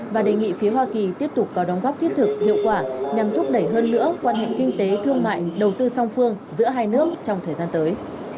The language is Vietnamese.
và đề nghị phía hoa kỳ tiếp tục có đóng góp thiết thực hiệu quả nhằm thúc đẩy hơn nữa quan hệ kinh tế thương mại đầu tư song phương giữa hai nước trong thời gian tới